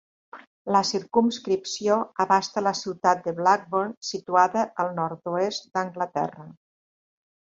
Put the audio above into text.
La circumscripció abasta la ciutat de Blackburn situada al nord-oest d'Anglaterra.